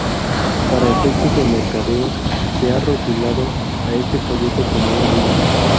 Para efectos de mercadeo se ha rotulado a este folleto como un libro.